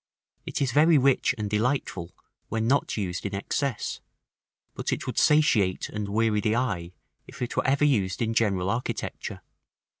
It is very rich and delightful when not used in excess; but it would satiate and weary the eye if it were ever used in general architecture.